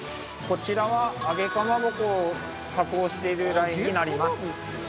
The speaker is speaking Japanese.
こちらは揚げかまぼこを加工しているラインになります。